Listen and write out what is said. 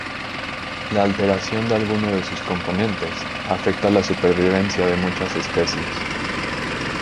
La alteración de alguno de sus componentes, afecta la supervivencia de muchas especies.